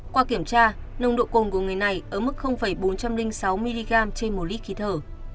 qua kiểm tra nồng độ cồn của người này ở mức bốn trăm linh sáu mg trên một lít khí thở